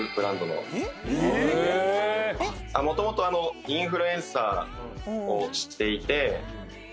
もともとインフルエンサ―をしていて。